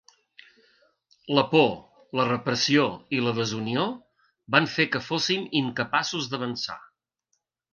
La por, la repressió i la desunió van fer que fóssim incapaços d’avançar.